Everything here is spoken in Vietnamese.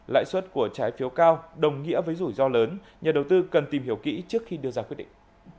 lãi suất của trái phiếu cao đồng nghĩa với rủi ro lớn nhà đầu tư cần tìm hiểu kỹ trước khi đưa ra quyết định